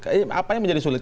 apanya menjadi sulit